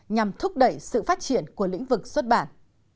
nhằm thúc đẩy sự phát triển của lĩnh vực xuất bản